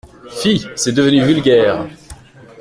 Fi ! c’est devenu vulgaire.